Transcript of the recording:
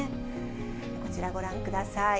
こちらご覧ください。